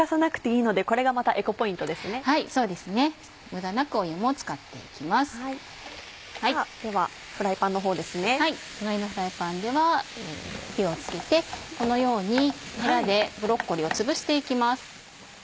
隣のフライパンでは火を付けてこのようにヘラでブロッコリーをつぶして行きます。